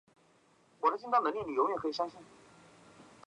最终马里也赢得了这届非洲国家杯季军。